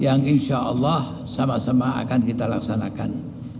yang insya allah sama sama akan kita laksanakan